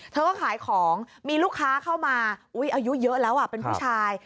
เธอก็ขายของมีลูกค้าเข้ามาอายุเยอะแล้วเป็นผู้ชาย